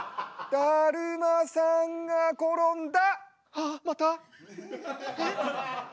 だるまさんが転んだ！